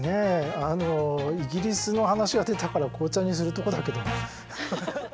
イギリスの話が出たから紅茶にするとこだけど。